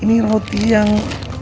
ini roti yang